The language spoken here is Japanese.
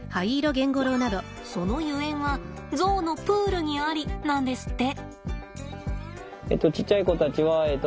そのゆえんはゾウのプールにありなんですって。